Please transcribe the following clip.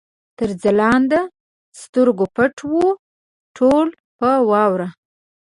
تر ځلانده سترګو پټ وو، ټول په واوره